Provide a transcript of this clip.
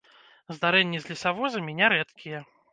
Здарэнні з лесавозамі нярэдкія.